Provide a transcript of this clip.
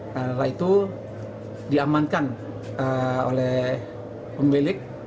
karena itu diamankan oleh pemilik